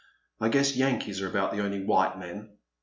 I guess Yankees are about the only white men.